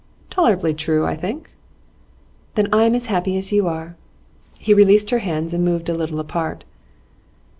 'Tolerably true, I think.' 'Then I am as happy as you are.' He released her hands, and moved a little apart.